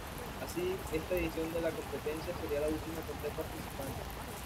Así, esta edición de la competencia sería la última con tres participantes.